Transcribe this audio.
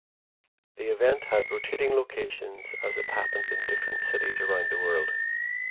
The event had rotating locations as it happened in different cities around the world.